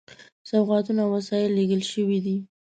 سوغاتونه او وسایل لېږل شوي دي.